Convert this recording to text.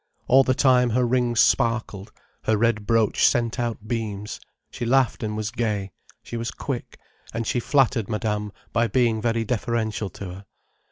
All the time her rings sparkled, her red brooch sent out beams, she laughed and was gay, she was quick, and she flattered Madame by being very deferential to her.